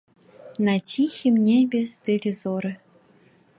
На ціхім небе стылі зоры.